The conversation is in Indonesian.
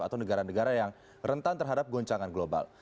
atau negara negara yang rentan terhadap goncangan global